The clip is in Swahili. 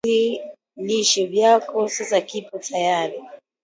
viazi lishe vyako sasa kipo tayari